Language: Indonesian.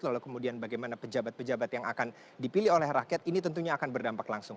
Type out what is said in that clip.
lalu kemudian bagaimana pejabat pejabat yang akan dipilih oleh rakyat ini tentunya akan berdampak langsung